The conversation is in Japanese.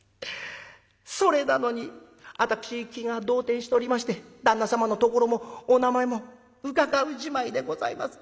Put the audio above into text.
それなのに私気が動転しておりまして旦那様の所もお名前も伺うじまいでございます。